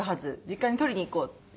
実家に取りに行こう。